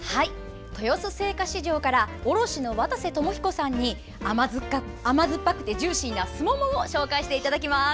豊洲青果市場から卸の渡瀬智彦さんに甘酸っぱくてジューシーなすももを紹介していただきます。